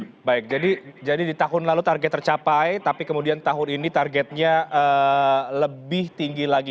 oke baik jadi di tahun lalu target tercapai tapi kemudian tahun ini targetnya lebih tinggi lagi